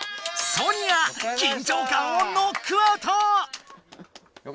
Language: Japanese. ソニア緊張感をノックアウト！